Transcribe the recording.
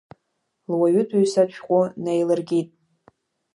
Луаҩытәыҩсатә шәҟәы неилыркит.